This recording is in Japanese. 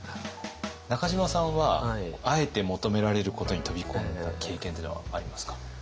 中島さんはあえて求められることに飛び込んだ経験っていうのはありますか？